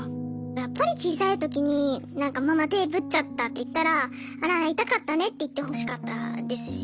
やっぱり小さい時にママ手ぶっちゃったって言ったらあら痛かったねって言ってほしかったですし。